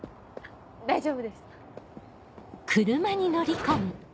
大丈夫です。